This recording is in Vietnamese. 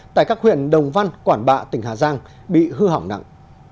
tại các huyện đồng văn quảng bạ tỉnh hà giang bị hư hỏng nặng